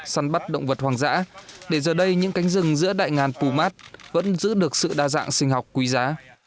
săn bắt động vật hoang dã để giờ đây những cánh rừng giữa đại ngàn pumat vẫn giữ được sự đa dạng sinh học quý giá